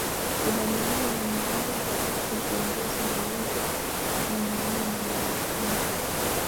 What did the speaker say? kukabiliana na mohamed gaddafi kiongozi aliengangania madarakani